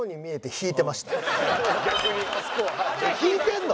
引いてるの？